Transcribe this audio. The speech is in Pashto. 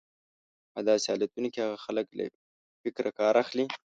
په داسې حالتونو کې هغه خلک له فکره کار اخلي.